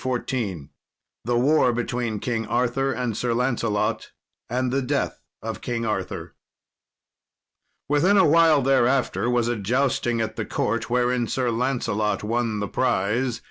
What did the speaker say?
CHAPTER XIV The War between King Arthur and Sir Lancelot and the Death of King Arthur Within a while thereafter was a jousting at the court, wherein Sir Lancelot won the prize.